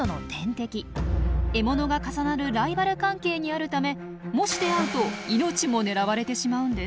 獲物が重なるライバル関係にあるためもし出会うと命も狙われてしまうんです。